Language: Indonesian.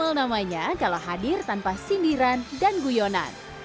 tapi juga pemenangnya yang kalah hadir tanpa sindiran dan guyonan